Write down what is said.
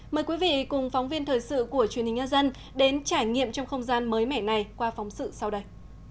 mời quý vị cùng phóng viên thời sự của truyền hình nhân dân đến trải nghiệm trong không gian mới mẻ này qua phóng sự sau đây